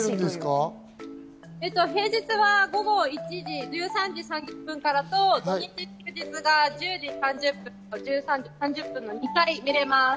平日は午後１時、１３時３０分からと、祝日が１０時３０分の２回見られます。